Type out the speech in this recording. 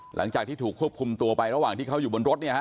หลังจากที่ถูกควบคุมตัวไประหว่างที่เขาอยู่บนรถเนี่ยฮะ